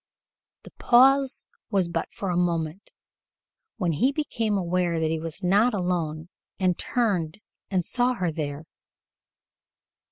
The pause was but for a moment, when he became aware that he was not alone and turned and saw her there.